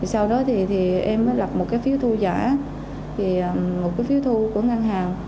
sau đó thì em lập một cái phiếu thu giả một cái phiếu thu của ngân hàng